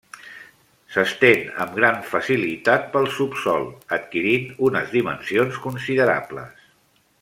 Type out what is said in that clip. S'estén amb gran facilitat pel subsòl, adquirint unes dimensions considerables.